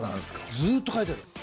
ずっと書いてる。